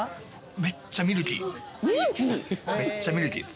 めっちゃミルキーです。